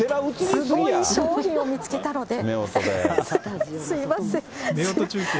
すごい商品を見つけたので、すみません。